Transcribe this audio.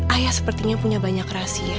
ayah sepertinya punya banyak rahasia